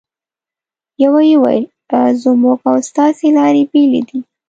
یوه یې وویل: زموږ او ستاسې لارې بېلې دي.